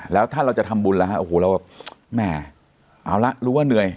แล้วถ้าเราจะทำบุญแล้วฮะโอ้โหเราแบบแม่เอาละรู้ว่าเหนื่อย